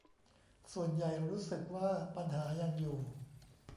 ส่วนใหญ่รู้สึกว่าปัญหายังอยู่